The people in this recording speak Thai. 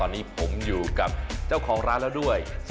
เอาล่ะเดินทางมาถึงในช่วงไฮไลท์ของตลอดกินในวันนี้แล้วนะครับ